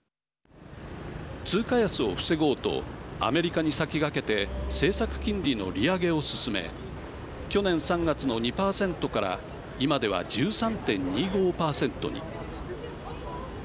通貨安を防ごうとアメリカに先駆けて政策金利の利上げを進め去年３月の２％から今では１３．２５％に。